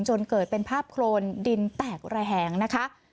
จนเกิดเป็นภาพโครนดินแตกระแหงนะคะ